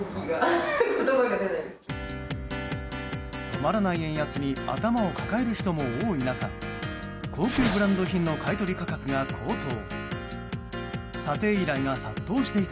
止まらない円安に頭を抱える人も多い中高級ブランド品の買い取り価格が高騰。